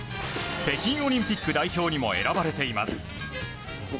北京オリンピック代表にも選ばれています。